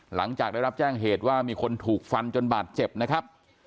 หลังจากได้รับแจ้งเหตุว่ามีคนถูกฟันจนบาดเจ็บนะครับ